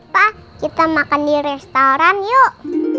pak kita makan di restoran yuk